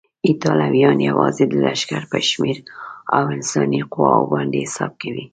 ایټالویان یوازې د لښکر پر شمېر او انساني قواوو باندې حساب کوي.